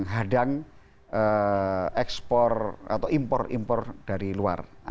tidak hanya mendang ekspor atau impor impor dari luar